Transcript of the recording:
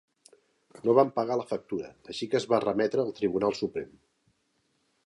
No van pagar la factura, així que es va remetre al tribunal suprem.